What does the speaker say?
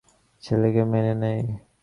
ছেলেকে মেনে নেয়।